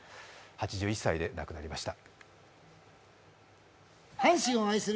８１歳で亡くなりました。